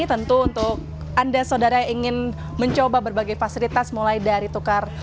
tentu untuk anda saudara yang ingin mencoba berbagai fasilitas mulai dari tukar